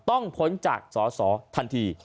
ต้องพ้นจากสอสอทันที